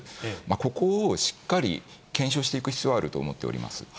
ここをしっかり検証していく必要はあると思っております。